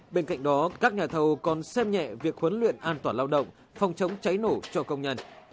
bên cạnh đó các nhà thầu còn xem nhẹ việc huấn luyện an toàn lao động phòng chống cháy nổ cho công nhân